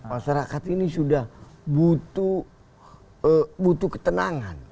masyarakat ini sudah butuh ketenangan